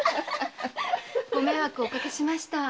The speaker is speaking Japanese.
ご迷惑をおかけしました。